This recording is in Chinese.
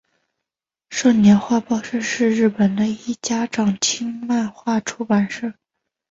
少年画报社是日本的一家长青漫画出版社。